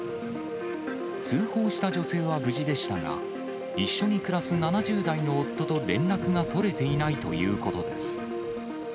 通報した女性は無事でしたが、一緒に暮らす７０代の夫と連絡が取れていないということです。